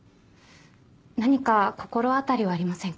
何か心当たりはありませんか？